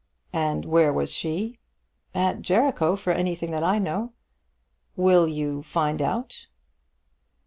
"And where was she?" "At Jericho, for anything that I know." "Will you find out?"